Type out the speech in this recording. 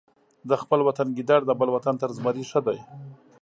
د خپل وطن ګیدړ د بل وطن تر زمري ښه دی.